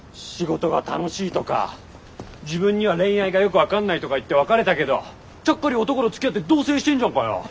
仕事が楽しいとか自分には恋愛がよく分かんないとか言って別れたけどちゃっかり男とつきあって同棲してんじゃんかよ！